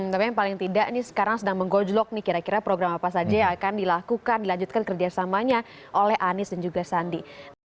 tapi yang paling tidak ini sekarang sedang menggojlok nih kira kira program apa saja yang akan dilakukan dilanjutkan kerjasamanya oleh anies dan juga sandi